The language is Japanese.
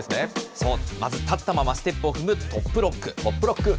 そう、まず立ったままステップを踏むトップロック。